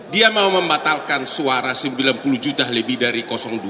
dia mau membatalkan suara sembilan puluh juta lebih dari dua